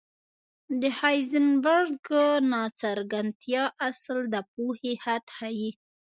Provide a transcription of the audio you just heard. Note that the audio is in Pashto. د هایزنبرګ ناڅرګندتیا اصل د پوهې حد ښيي.